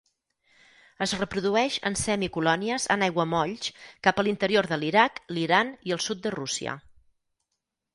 Es reprodueix en semi colònies en aiguamolls cap a l'interior de l'Iraq, l'Iran i el sud de Rússia.